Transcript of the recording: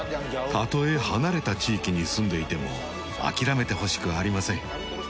たとえ離れた地域に住んでいても諦めてほしくありません。